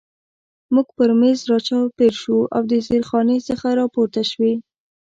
موږ پر مېز را چاپېر شو او د زیرخانې څخه را پورته شوي.